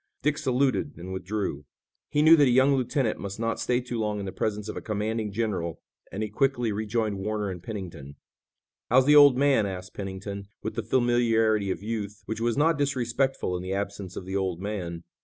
Dick saluted and withdrew. He knew that a young lieutenant must not stay too long in the presence of a commanding general and he quickly rejoined Warner and Pennington. "How's the old man?" asked Pennington, with the familiarity of youth, which was not disrespectful in the absence of the "old man."